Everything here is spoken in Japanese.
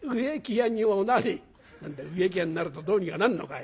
「何だい植木屋になるとどうにかなんのかい」。